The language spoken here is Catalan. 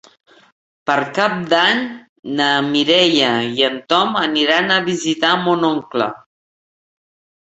Per Cap d'Any na Mireia i en Tom aniran a visitar mon oncle.